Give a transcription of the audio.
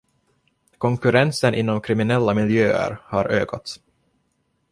Konkurrensen inom kriminella miljöer har ökat.